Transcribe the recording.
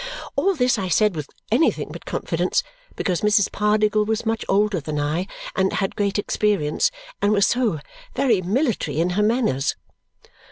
All this I said with anything but confidence, because Mrs. Pardiggle was much older than I, and had great experience, and was so very military in her manners.